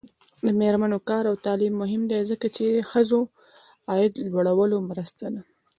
د میرمنو کار او تعلیم مهم دی ځکه چې ښځو عاید لوړولو مرسته ده.